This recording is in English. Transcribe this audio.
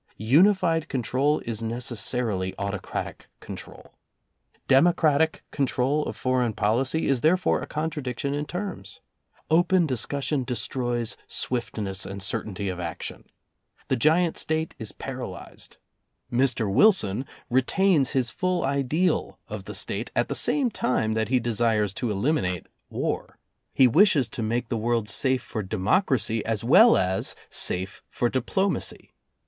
Uni fied control is necessarily autocratic control. Democratic control of foreign policy is therefore a contradiction in terms. Open discussion de stroys swiftness and certainty of action. The giant State is paralyzed. Mr. Wilson retains his full ideal of the State at the same time that he desires to eliminate war. He wishes to make the world safe for democracy as well as safe for diplomacy.